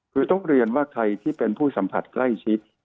คือต้องเรียนว่าใครที่เป็นผู้สัมผัสใกล้ชิด